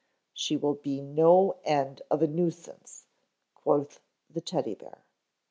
"She will be no end of a nuisance," quoth the Teddy bear.